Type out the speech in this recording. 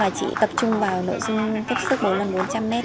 và chị tập trung vào nội dung cấp sức bốn x bốn trăm linh m